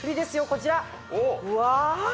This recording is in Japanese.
こちらうわ！